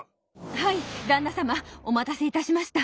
はい旦那様お待たせいたしました。